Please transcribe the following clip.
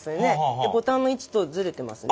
でボタンの位置とずれてますね。